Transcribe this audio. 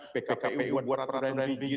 pkpu buat peraturan di gijin